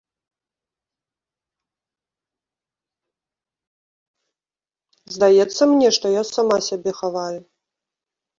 Здаецца мне, што я сама сябе хаваю.